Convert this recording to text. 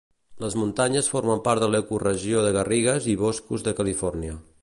Les muntanyes formen part de l'ecoregió de garrigues i boscos de Califòrnia.